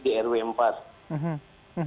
di jakarta barat ada empat titik